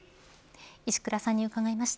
石倉さんに伺いました。